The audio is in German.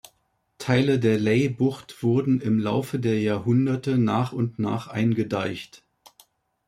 Teile der Leybucht wurden im Laufe der Jahrhunderte nach und nach eingedeicht.